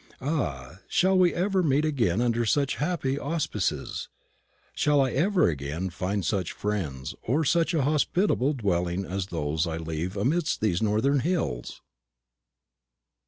Ah, shall we ever meet again under such happy auspices? Shall I ever again find such kind friends or such a hospitable dwelling as those I shall leave amidst these northern hills?